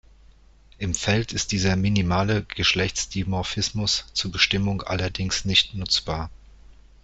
Im Feld ist dieser minimale Geschlechtsdimorphismus zur Bestimmung allerdings nicht nutzbar.